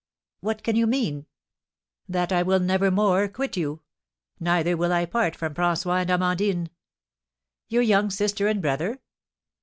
"What can you mean?" "That I will never more quit you; neither will I part from François and Amandine." "Your young sister and brother?"